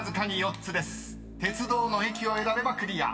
［鉄道の駅を選べばクリア。